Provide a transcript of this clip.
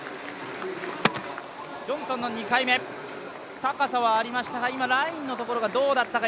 ジョンソンの２回目、高さはありましたが、今ラインのところがどうだったか